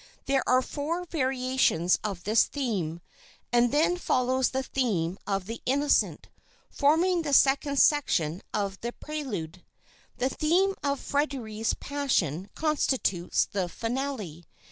There are four variations of this theme, and then follows the theme of the Innocent, forming the second section of the Prelude. The theme of Fréderi's passion constitutes the finale.